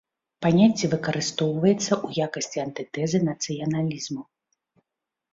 Паняцце выкарыстоўваецца ў якасці антытэзы нацыяналізму.